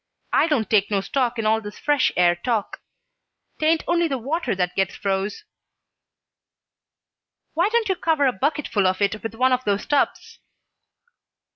I don't take no stock in all this fresh air talk. 'Taint only the water what gets froze " "Why don't you cover a bucketful of it with one of those tubs?"